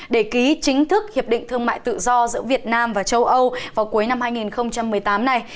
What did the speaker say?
để ký chính thức hiệp định thương mại tự do giữa việt nam và châu âu vào cuối năm hai nghìn một mươi tám này